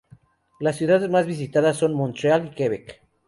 Las ciudades más visitadas son Montreal y Quebec.